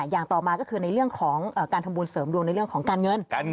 อย่างต่อมาก็คือในเรื่องของการทำบุญเสริมดวงในเรื่องของการเงิน